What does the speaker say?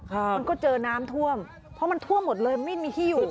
มันก็เจอน้ำท่วมเพราะมันท่วมหมดเลยไม่มีที่อยู่